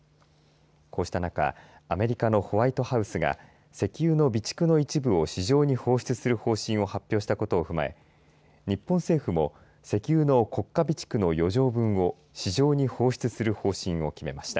こうした中アメリカのホワイトハウスが石油の備蓄の一部を市場に放出する方針を発表したことを踏まえ日本政府も石油の国家備蓄の余剰分を市場に放出する方針を決めました。